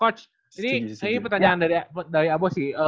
coach ini pertanyaan dari abo sih